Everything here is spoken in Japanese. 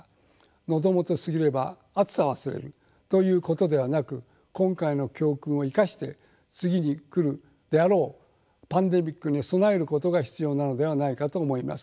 「喉元過ぎれば熱さ忘れる」ということではなく今回の教訓を生かして次に来るであろうパンデミックに備えることが必要なのではないかと思います。